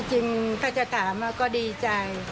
จริงถ้าจะถามก็ดีใจ